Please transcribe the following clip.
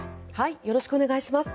よろしくお願いします。